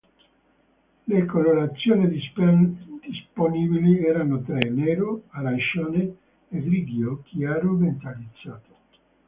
Le colorazioni disponibili erano tre: nero, arancione e grigio chiaro metallizzato.